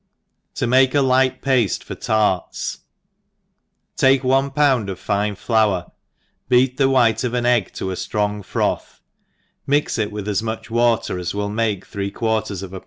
^0 male a light Paste for Tarts. TAKE one pound of fine flour, beat the white pf an egg to a ftrong froth, mix it with as much water as will make three quarters of a pound ENGLISH HOUSE KEEPER.